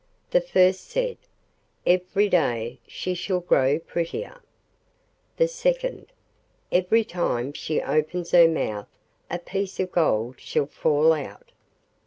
The first said: 'Every day she shall grow prettier.' The second: 'Every time she opens her mouth a piece of gold shall fall out.